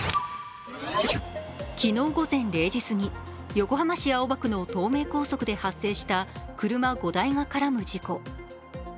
昨日午前０時すぎ、横浜市青葉区の東名高速で発生した車５台が絡む事故。